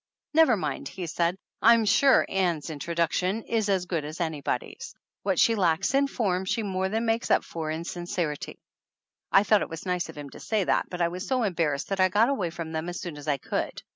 "Never mind," he said, "I'm sure Ann's intro THE ANNALS OF ANN duction is as good as anybody's. What she lacks in form she more than makes up for in sin cerity." I thought it was nice of him to say that, but I was so embarrassed that I got away from them as soon as I could.